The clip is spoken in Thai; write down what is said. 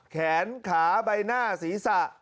แขนขาใบหน้าศีรษะ